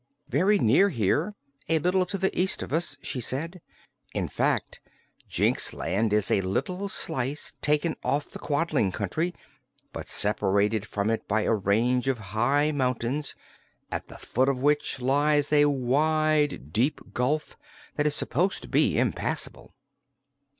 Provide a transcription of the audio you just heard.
"Very near here, a little to the east of us," she said. "In fact, Jinxland is a little slice taken off the Quadling Country, but separated from it by a range of high mountains, at the foot of which lies a wide, deep gulf that is supposed to be impassable."